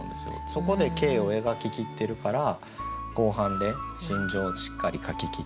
そこで景を描ききってるから後半で心情をしっかり書ききってる。